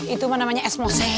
itu mah namanya esmose